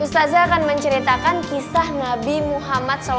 mustazah akan menceritakan kisah nabi muhammad saw